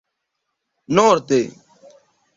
norde